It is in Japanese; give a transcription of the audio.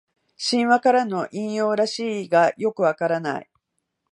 神話からの引用らしいがよくわからない